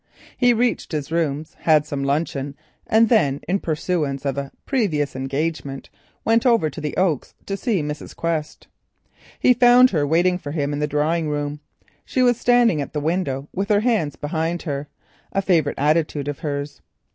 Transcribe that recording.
He reached his rooms, had some luncheon, and then in pursuance of a previous engagement went over to the Oaks to see Mrs. Quest. He found her waiting for him in the drawing room. She was standing at the window with her hands behind her, a favourite attitude of hers.